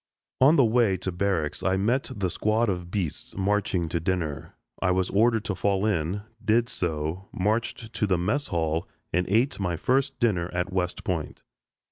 On the way to barracks I met the squad of "beasts" marching to dinner. I was ordered to fall in, did so, marched to the mess hall, and ate my first dinner at West Point.